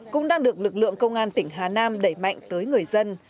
cũng đang được lực lượng công an tỉnh hà nam đẩy mạnh tới người dân